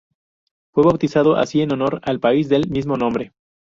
Fue bautizado así en honor al país del mismo nombre.